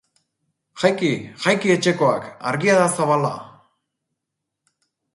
Jaiki, jaiki etxekoak, argia da zabala!